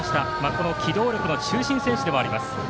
この機動力の中心選手でもあります。